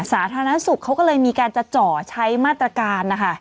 สาธารณสุขเขาก็เลยมีการจะเจาะใช้มาตรการนะคะ